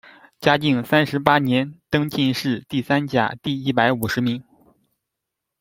嘉靖三十八年登进士第三甲第一百五十名。